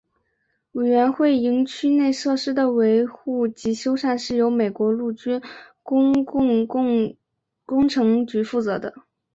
委员会营区内设施的维护及修缮是由美国陆军公共工程局负责的。